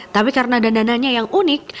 tapi karena dandananya yang unik